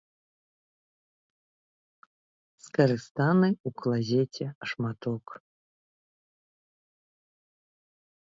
Скарыстаны ў клазеце шматок.